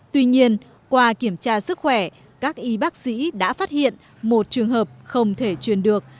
tuy nhiên qua kiểm tra sức khỏe các y bác sĩ đã phát hiện một trường hợp không thể truyền được